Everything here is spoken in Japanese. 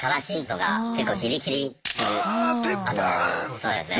そうですね。